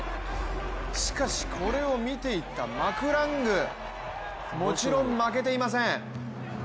しかしこれを見ていたマクラングもちろん負けていません。